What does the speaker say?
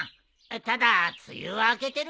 ただ梅雨は明けてるからな。